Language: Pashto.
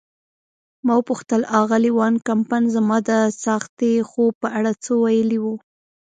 ما وپوښتل: آغلې وان کمپن زما د څاښتي خوب په اړه څه ویلي وو؟